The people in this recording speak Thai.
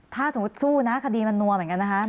ถ้าสมมุติสู้นะคดีมันนัวเหมือนกันนะคะ